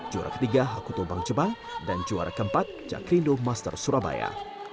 juara ketiga hakuto bang jebang dan juara keempat jakrindo master surabaya